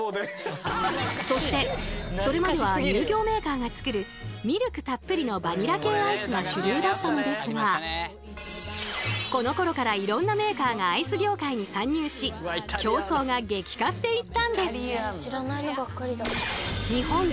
そしてそれまでは乳業メーカーが作るミルクたっぷりのバニラ系アイスが主流だったのですがこのころからいろんなメーカーがアイス業界に参入し競争が激化していったんです！